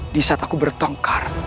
di saat aku bertengkar